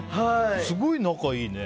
すごい仲いいね。